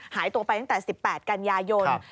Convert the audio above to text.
หายตัวไปตั้งแต่๑๘กันยายลแล้วเมื่อวานครับ